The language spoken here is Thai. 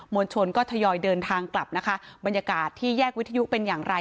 ลชนก็ทยอยเดินทางกลับนะคะบรรยากาศที่แยกวิทยุเป็นอย่างไร